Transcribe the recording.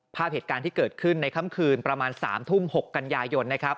ภาพเหตุการณ์ที่เกิดขึ้นในค่ำคืนประมาณ๓ทุ่ม๖กันยายนนะครับ